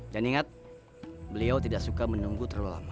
ingat beliau tidak suka menunggu terlalu lama